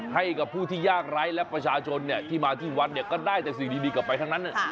ให้กับผู้ที่ยากไร้และประชาชนที่มาที่วัดเนี่ยก็ได้แต่สิ่งดีกลับไปทั้งนั้น